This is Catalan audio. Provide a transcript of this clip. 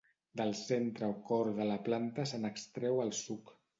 Del centre o cor de la planta se n’extreu el suc.